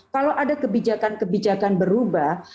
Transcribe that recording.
kalau ada kebijakan kebijakan berubah